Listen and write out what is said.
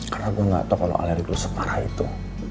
karena gue gak tau kalau alergi lo separah itu